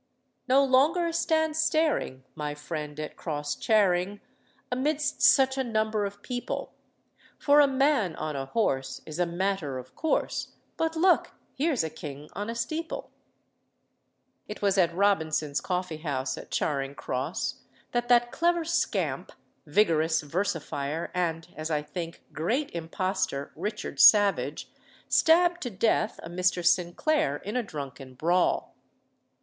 "No longer stand staring, My friend, at Cross Charing, Amidst such a number of people; For a man on a horse Is a matter of course, But look! here's a king on a steeple." It was at Robinson's coffee house, at Charing Cross, that that clever scamp, vigorous versifier, and, as I think, great impostor, Richard Savage, stabbed to death a Mr. Sinclair in a drunken brawl.